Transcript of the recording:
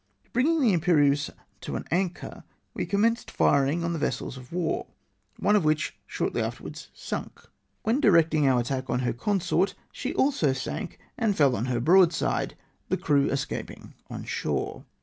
Bringing the Imperieuse to an anchor we com menced firing on the vessels of war, one of which shortly afterwards sank ; when directing our attack on Y 3 326 ATTACK ON FREXCH VESSELS. her consort, she also sank and fell on her broadside, the crew escaping on shore.